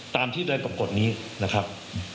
ตามที่ใดกับกฎนี้นะครับ